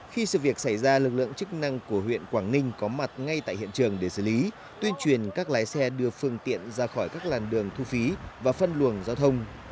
khi sự việc xảy ra lực lượng chức năng của huyện quảng ninh có mặt ngay tại hiện trường để xử lý tuyên truyền các lái xe đưa phương tiện ra khỏi các làn đường thu phí và phân luồng giao thông